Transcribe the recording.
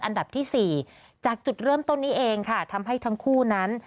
อันดับที่๔จากจุดเริ่มต้นนี้เองค่ะทำให้ทั้งคู่นั้น